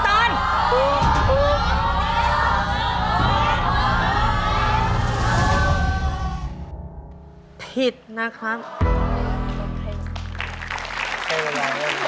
ถูกไหมลูกตาเลล่ะ